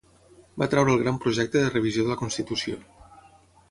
Va treure el gran projecte de revisió de la Constitució.